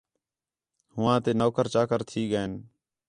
ہوآں تے نوکر چاکر تھی ڳئین